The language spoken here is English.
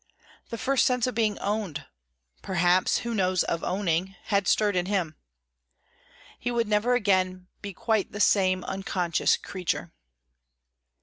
The first sense of being owned, perhaps (who knows) of owning, had stirred in him. He would never again be quite the same unconscious creature.